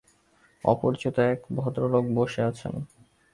অপরিচিত এক ভদ্রলোক বসে আছেন।